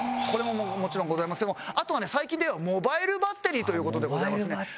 これももちろんございますけどもあとはね最近でいえばモバイルバッテリーという事でございますね。